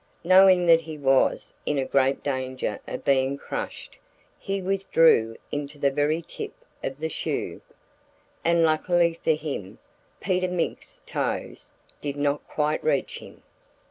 Knowing that he was in great danger of being crushed, he withdrew into the very tip of the shoe. And luckily for him, Peter Mink's toes did not quite reach him.